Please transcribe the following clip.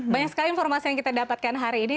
banyak sekali informasi yang kita dapatkan hari ini